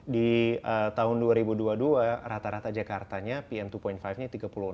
di tahun dua ribu dua puluh dua rata rata jakartanya pn dua lima nya tiga puluh enam